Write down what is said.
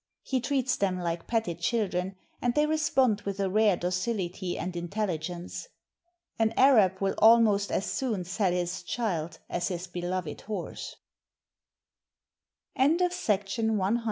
He treats them like petted children, and they respond with a rare docility and intelli gence. An Arab will almost as soon sell his child as his be loved horse, » A PILGRIMAGE TO MECCA BY SIR RICHARD F.